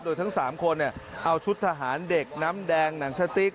โดยทั้ง๓คนเอาชุดทหารเด็กน้ำแดงหนังสติ๊ก